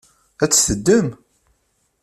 Ad tt-teddem?